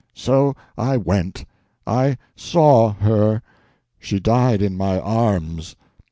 So I went. I saw her. She died in my arms.